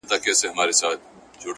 • حقيقت ورو ورو پټيږي ډېر ژر..